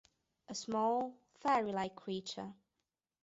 A small, fairy-like creature.